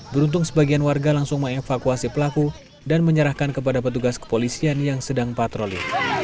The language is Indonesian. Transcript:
beruntung sebagian warga langsung mengevakuasi pelaku dan menyerahkan kepada petugas kepolisian yang sedang patroli